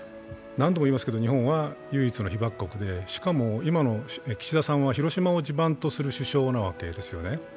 日本は唯一の被爆国でしかも今の岸田さんは広島を地盤とする首相なわけですよね。